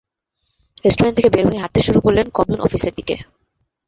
Restaurant থেকে বের হয়ে হাঁটতে শুরু করলেন কমিউন অফিসের দিকে।